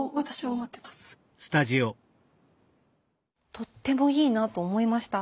とってもいいなと思いました。